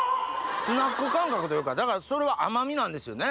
スナック感覚というかだからそれは甘みなんですよね！